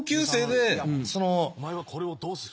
お前はこれをどうする？